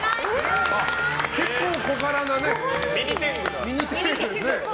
結構小柄なね。